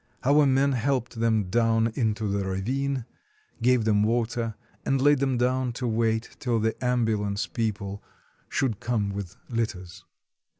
Our men helped them down into the ravine, gave them water, and laid them down to wait till the ambulance people should come with litters.